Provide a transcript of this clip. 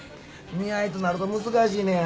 見合いとなると難しいねや。